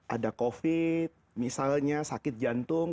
ada covid misalnya sakit jantung